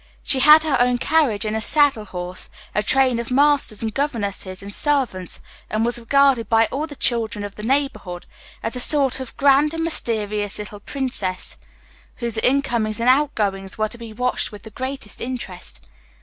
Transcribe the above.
She had had her own carriage and a saddle horse, a train of masters, and governesses, and servants, and was regarded by all the children of the neighborhood as a sort of grand and mysterious little princess, whose incomings and outgoings were to be watched with the greatest interest.